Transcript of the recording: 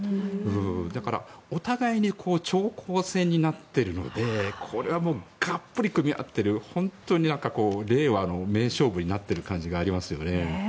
だから、お互いに長考戦になっているのでこれはもうがっぷり組み合っている本当に令和の名勝負になっている感じがありますよね。